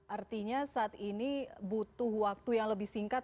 artinya saat ini butuh waktu yang lebih singkat